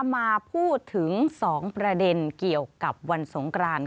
มาพูดถึง๒ประเด็นเกี่ยวกับวันสงกราน